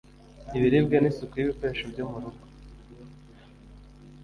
ibiribwa n'isuku y'ibikoresho byo mu rugo,